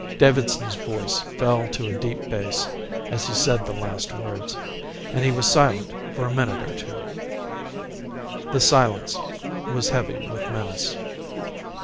Davidson's voice fell to a deep bass as he said the last words, and he was silent for a minute or two. The silence was heavy with menace.